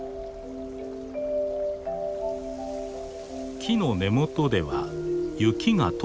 木の根元では雪が解けています。